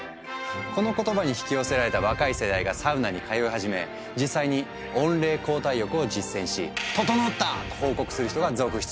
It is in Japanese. この言葉に引き寄せられた若い世代がサウナに通い始め実際に温冷交代浴を実践し「ととのった！」と報告する人が続出。